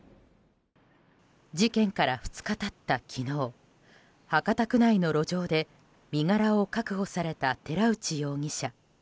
事件から２日経った昨日博多区内の路上で身柄を確保された寺内容疑者。